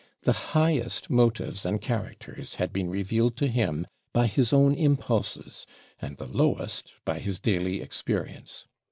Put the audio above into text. The highest motives and characters had been revealed to him by his own impulses, and the lowest by his daily experience.